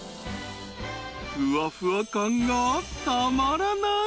［ふわふわ感がたまらない］